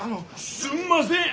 ・すんません。